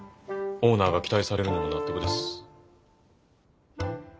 オーナーが期待されるのも納得です。